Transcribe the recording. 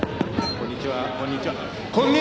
こんにちは！」